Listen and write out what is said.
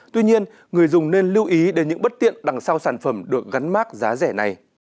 tuy nhiên người dùng nên lưu ý đến những bất tiện đằng sau sản phẩm được gắn mát giá rẻ này